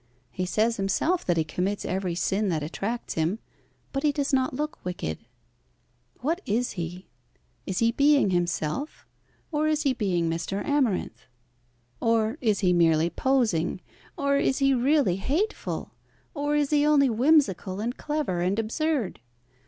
He says himself that he commits every sin that attracts him, but he does not look wicked. What is he? Is he being himself, or is he being Mr. Amarinth, or is he merely posing, or is he really hateful, or is he only whimsical, and clever, and absurd?